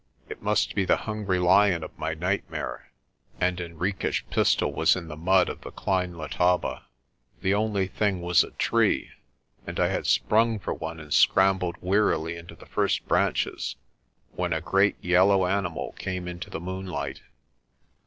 It must be the hungry lion of my nightmare, and Hen riques' pistol was in the mud of the Klein Letaba! The only thing was a tree, and I had sprung for one and scrambled wearily into the first branches when a great yellow animal came into the moonlight.